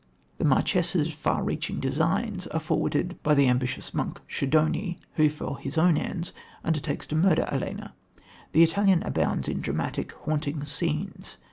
The Marchesa's far reaching designs are forwarded by the ambitious monk, Schedoni, who, for his own ends, undertakes to murder Ellena. The Italian abounds in dramatic, haunting scenes.